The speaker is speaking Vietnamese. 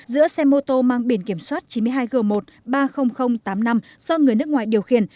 giữa xe mô tô mang biển kiểm soát chín mươi hai g một ba mươi nghìn tám mươi năm do người nước ngoài điều khiển